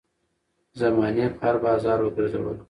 زمانې په هـــــر بازار وګرځــــــــــولم